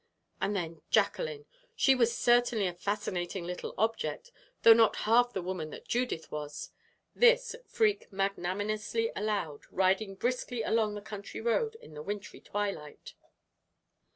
And then Jacqueline she was certainly a fascinating little object, though not half the woman that Judith was this Freke magnanimously allowed, riding briskly along the country road in the wintry twilight.